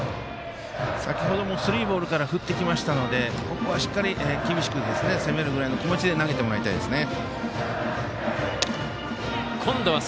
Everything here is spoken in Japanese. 先ほどもスリーボールから振ってきましたのでここは、しっかり厳しく攻めるぐらいの気持ちで投げてもらいたいですね。